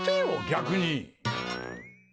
逆に！